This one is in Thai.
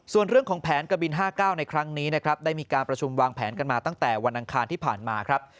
ส่วนเรื่องของแผนกะบิน๕๙ในครั้งนี้นะครับได้มีการประชุมวางแผนกันมาตั้งแต่วันอังคารที่ผ่านมาครับ